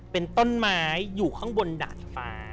เป็นต้นไม้อยู่ข้างบนดาดฟ้า